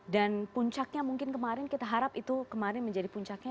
dan puncaknya mungkin kemarin kita harap itu kemarin menjadi puncaknya